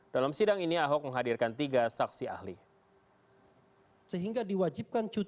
dalam sidang ini ahok menghadirkan tiga saksi ahli